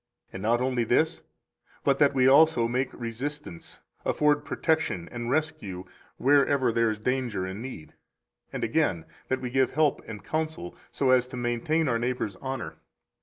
204 And not only this, but that we also make resistance, afford protection and rescue wherever there is danger and need; and again, that we give help and counsel, so as to maintain our neighbor's honor.